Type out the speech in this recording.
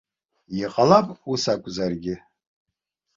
Иҟалап ус акәзаргьы.